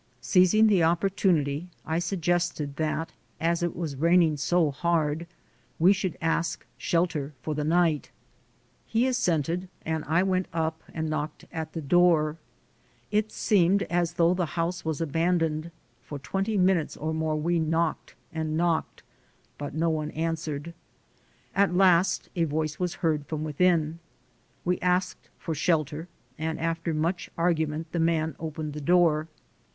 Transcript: Seizing the opportunity, I suggested that as it was raining so hard, we should ask shelter for the night. He as sented, and I went up and knocked at the door. It seemed as though the house was abandoned; for twenty minutes or more we knocked and knocked, I AM CAUGHT AGAIN 129 but no one answered. At last a voice was heard from within. We asked for shelter, and after much argument, the man opened the door.